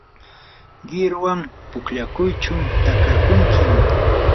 qiruwan pukllaychu takakunkim.